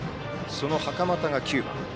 その袴田が９番。